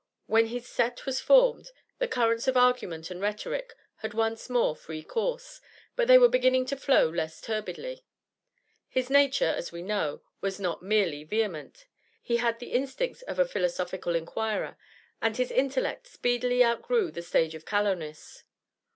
When his 'set' was formed, the currents of argument and rhetoric had once more free course, but they were beginning to flow less turbidly. His nature, as we know, was not merely vehement; he had the instincts of a philosophical inquirer, and his intellect speedily outgrew the stage of callowness.